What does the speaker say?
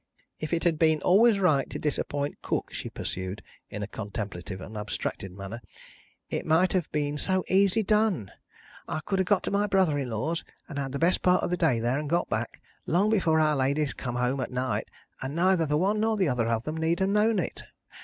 "If it had been anyways right to disappoint Cook," she pursued, in a contemplative and abstracted manner, "it might have been so easy done! I could have got to my brother in law's, and had the best part of the day there, and got back, long before our ladies come home at night, and neither the one nor the other of them need never have known it.